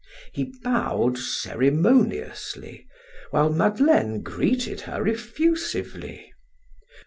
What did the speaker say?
He bowed ceremoniously, while Madeleine greeted her effusively.